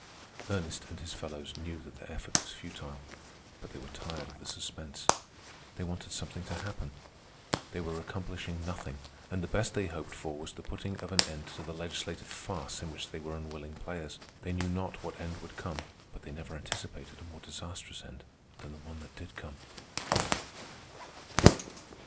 Ernest and his fellows knew that their effort was futile, but they were tired of the suspense. They wanted something to happen. They were accomplishing nothing, and the best they hoped for was the putting of an end to the legislative farce in which they were unwilling players. They knew not what end would come, but they never anticipated a more disastrous end than the one that did come.